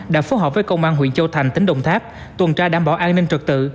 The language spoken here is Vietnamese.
đã phối hợp với công an huyện châu thành tỉnh đồng tháp tuần tra đảm bảo an ninh trật tự